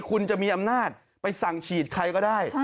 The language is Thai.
คุณจะมีอำนาจไปสั่งฉีดใครก็ได้